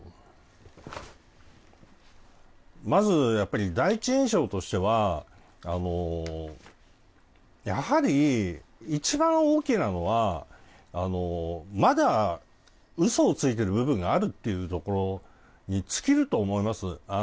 まず、第一印象としてはやはり、一番大きなのはまだ嘘をついている部分があるということに尽きると思います。